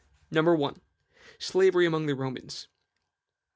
1. Slavery among the Romans.